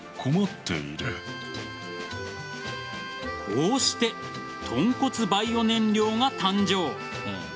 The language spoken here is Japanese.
こうして豚骨バイオ燃料が誕生。